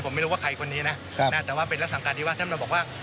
ผมไม่รู้ว่าใครคนนี้นะแต่ว่าเป็นลักษณะการที่ว่าท่านมาบอกว่า